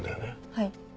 はい。